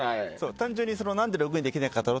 単純になんでログインできなかったの？